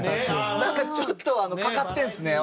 なんかちょっとかかってるんですね